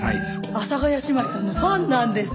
阿佐ヶ谷姉妹さんのファンなんです。